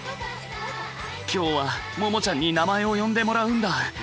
今日はＭＯＭＯちゃんに名前を呼んでもらうんだ！